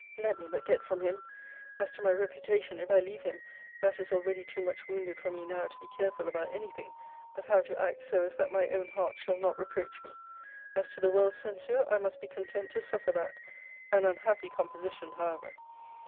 Let me but get from him! As to my reputation, if I leave him that is already too much wounded for me, now, to be careful about any thing, but how to act so as that my own heart shall not reproach me. As to the world's censure, I must be content to suffer that an unhappy composition, however.